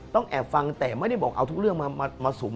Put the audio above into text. แอบฟังแต่ไม่ได้บอกเอาทุกเรื่องมาสุม